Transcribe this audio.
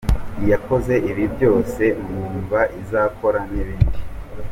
Iyakoze ibi byose mwumva izakora n’ibindi.